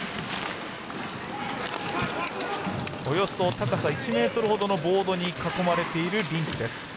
およそ高さ１ｍほどのボードに囲まれているリンクです。